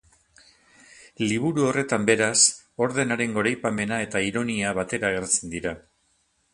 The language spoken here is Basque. Liburu horretan, beraz, ordenaren goraipamena eta ironia batera agertzen dira.